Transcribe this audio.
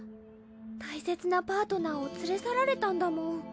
大切なパートナーを連れ去られたんだもん。